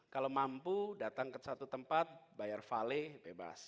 kalau mampu datang ke satu tempat bayar vale bebas